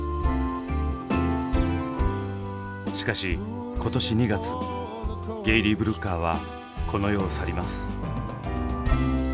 しかし今年２月ゲイリー・ブルッカーはこの世を去ります。